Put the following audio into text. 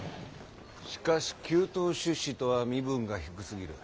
しかし９等出仕とは身分が低すぎる。